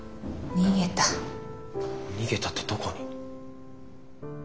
逃げたってどこに？